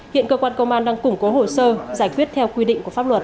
hiện cơ quan công an đang củng cố hồ sơ giải quyết theo quy định của pháp luật